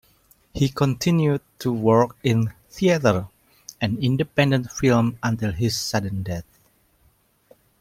He continued to work in theater and independent film until his sudden death.